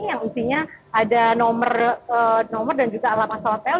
yang isinya ada nomor dan juga alamat hotel